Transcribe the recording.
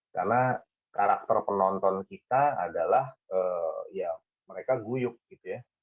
karena karakter penonton kita adalah ya mereka guyuk gitu ya